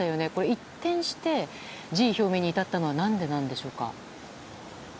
一転して辞意表明に至ったのは何でなんでしょうか？